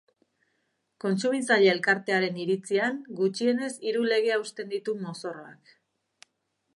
Kontsumitzaile elkartearen iritzian, gutxienez hiru lege hausten ditu mozorroak.